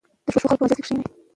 د ښو خلکو په مجلس کې کښېنئ.